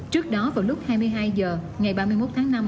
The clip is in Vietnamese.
trước đó vào lúc hai mươi hai h ngày ba mươi một tháng năm